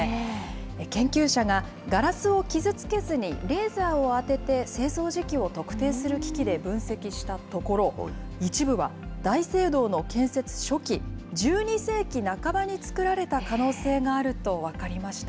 研究者が、ガラスを傷つけずにレーザーを当てて製造時期を特定する機器で分析したところ、一部は大聖堂の建設初期、１２世紀半ばにつくられた可能性があると分かりました。